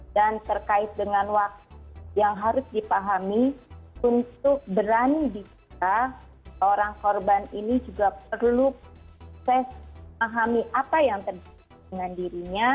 dan terkait dengan waktu yang harus dipahami untuk berani dikira orang korban ini juga perlu fes pahami apa yang terjadi dengan dirinya